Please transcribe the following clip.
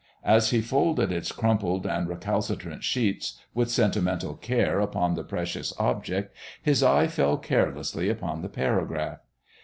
As he folded its crumpled and recalcitrant sheets with sentimental care about the precious object his eye fell carelessly upon the paragraph.